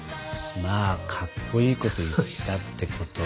まあかっこいいこと言ったってこと。